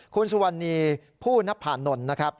คุณสุวรรณีผู้นับผ่านนท์